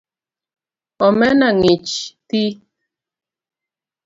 Omena ng’ich dhi